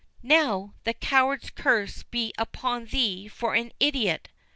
"Now, the coward's curse be upon thee for an idiot!"